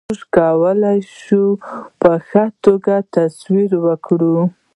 موږ کولای شو په ښه توګه تصور وکړو.